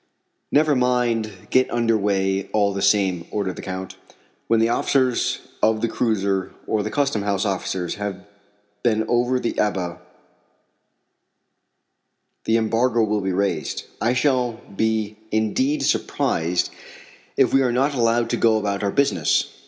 "Never mind, get under way all the same," ordered the Count. "When the officers of the cruiser or the Custom House officers have been over the Ebba the embargo will be raised. I shall be indeed surprised if we are not allowed to go about our business."